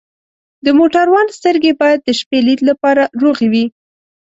د موټروان سترګې باید د شپې لید لپاره روغې وي.